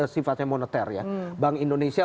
sifatnya moneter ya bank indonesia